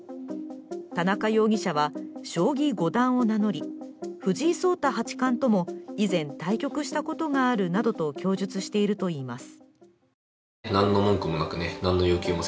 田中容疑者は、将棋五段を名乗り藤井聡太八冠とも以前、対局したことがあるなどと供述しているといいます。